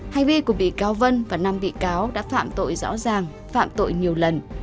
hành vi của bị cáo vân và năm bị cáo đã phạm tội rõ ràng phạm tội nhiều lần